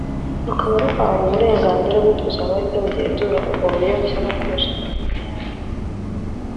rukaba ruhawe uburenganzira bwo kuzaba ari rwo rugenzura ubwo buro bushya bwo gukoresha Internet